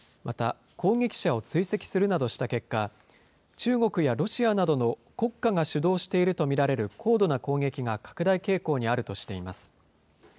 また、攻撃者を追跡するなどした結果、中国やロシアなどの国家が主導していると見られる高度な攻撃が拡大傾向にあるとしています。